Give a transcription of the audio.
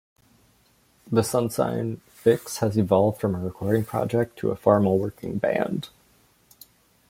The Sunshine Fix has evolved from a recording project to a formal working band.